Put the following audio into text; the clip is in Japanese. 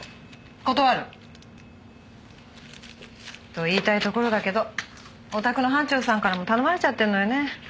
断る！と言いたいところだけどおたくの班長さんからも頼まれちゃってるのよね。